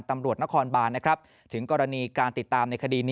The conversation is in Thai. ตำรวจนครบานถึงกรณีการติดตามในคดี